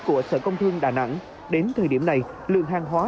của sở công thương đà nẵng đến thời điểm này lượng hàng hóa